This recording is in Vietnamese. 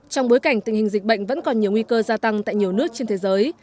trong bối cảnh tình hình dịch bệnh vẫn còn nhiều nguy cơ gia tăng tại nhiều nước trên thế giới